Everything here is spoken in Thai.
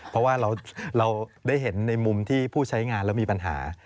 เพราะว่าเราได้เห็นในมุมที่ผู้ใช้งานแล้วมีปัญหา